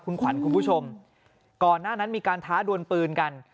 คุณขวัญคุณผู้ชมก่อนหน้านั้นมีการท้าดวนปืนกัน